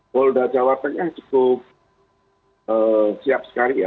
polda jawa tengah cukup siap sekali ya